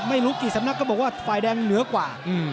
ไม่รู้กี่สำนักก็บอกว่าฝ่ายแดงเหนือกว่า